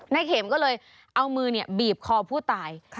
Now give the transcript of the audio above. นายเข็มก็เลยเอามือบีบคอผู้ตาย